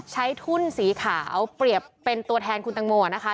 ทุ่นสีขาวเปรียบเป็นตัวแทนคุณตังโมนะคะ